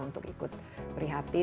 untuk ikut beri hati